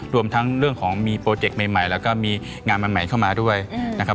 รวมทั้งเรื่องของมีโปรเจกต์ใหม่แล้วก็มีงานใหม่เข้ามาด้วยนะครับ